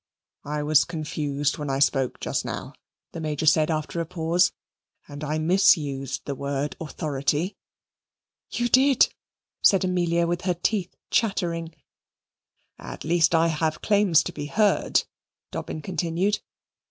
"I was confused when I spoke just now," the Major said after a pause, "and I misused the word authority." "You did," said Amelia with her teeth chattering. "At least I have claims to be heard," Dobbin continued.